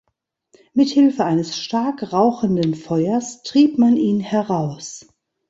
Mit Hilfe eines stark rauchenden Feuers trieb man ihn heraus.